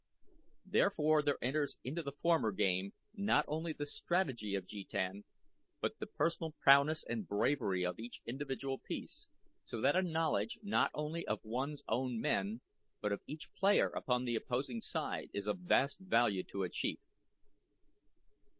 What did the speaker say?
Therefore there enters into the former game not only the strategy of jetan but the personal prowess and bravery of each individual piece, so that a knowledge not only of one's own men but of each player upon the opposing side is of vast value to a chief.